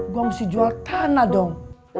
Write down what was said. gue mesti jual tanah dong